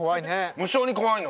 無性に怖いの。